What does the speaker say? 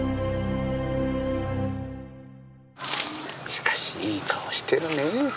しかしいい顔してるね。